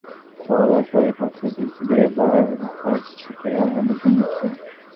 নদীর ধারে বড় শিমুলগাছটার তলায় চলা-চলতির পথ হইতে কিছুদূরে বাঁশঝোপের আড়ালে দুজনে বসে।